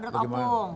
kalau menurut opung